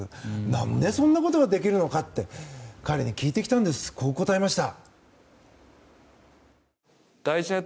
何でそんなことができるのかって彼に聞いてきたらこう答えました。